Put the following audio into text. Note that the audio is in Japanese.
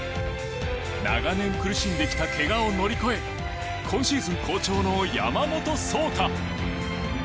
長年苦しんできた怪我を乗り越え今シーズン好調の山本草太。